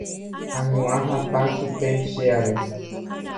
añañua hatã chupe che ave.